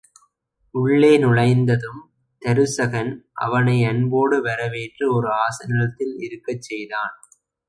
உள்ளே நுழைந்ததும் தருசகன் அவனை அன்போடு வரவேற்று ஒர் ஆசனத்தில் இருக்கச் செய்தான்.